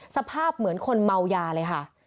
สภาพเหมือนคนเมายาเลยค่ะ